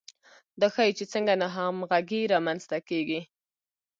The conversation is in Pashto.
دا ښيي چې څنګه ناهمغږي رامنځته کیږي.